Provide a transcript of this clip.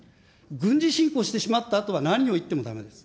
軍事侵攻してしまったあとは何を言ってもだめです。